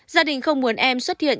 gia đình không muốn em xuất hiện